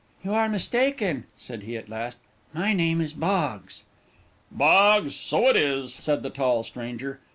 "You are mistaken," said he, at last. "My name is Boggs." "Boggs so it is," said the tall stranger.